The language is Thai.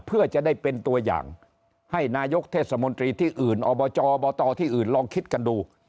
เพื่อจะได้เป็นตัวอย่างให้นายกเทศมนตรีที่อื่นอบจอบตที่อื่นลองคิดกันดู